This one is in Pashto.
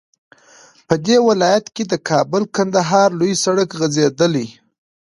په دې ولايت كې د كابل- كندهار لوى سړك غځېدلى